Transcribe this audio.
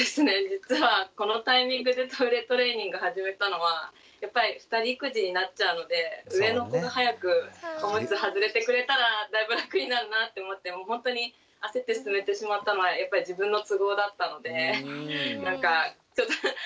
実はこのタイミングでトイレトレーニング始めたのはやっぱり２人育児になっちゃうので上の子が早くオムツ外れてくれたらだいぶ楽になるなって思ってほんとに焦って進めてしまったのはやっぱり自分の都合だったのでなんかちょっと。